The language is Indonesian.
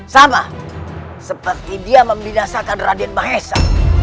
sama seperti dia membinasakan raden mahesa